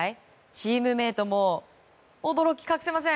チームメートも驚き隠せません。